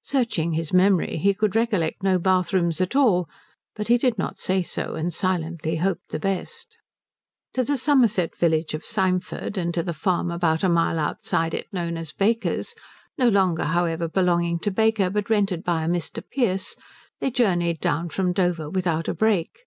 Searching his memory he could recollect no bathrooms at all, but he did not say so, and silently hoped the best. To the Somerset village of Symford and to the farm about a mile outside it known as Baker's, no longer, however, belonging to Baker, but rented by a Mr. Pearce, they journeyed down from Dover without a break.